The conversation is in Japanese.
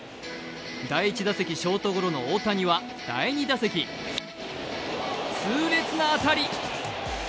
第１打席、ショートゴロの大谷は第２打席、痛烈な当たり。